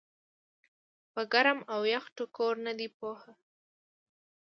پۀ ګرم او يخ ټکور نۀ دي پوهه